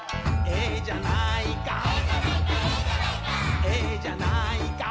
「ええじゃないか」